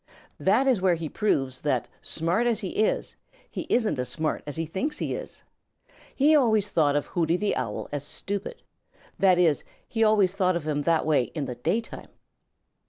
That is where he proves that smart as he is, he isn't as smart as he thinks he is. He always thought of Hooty the Owl as stupid. That is, he always thought of him that way in daytime.